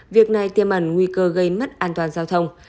việc này tiêm ẩn nguy cơ gây mất an toàn giao thông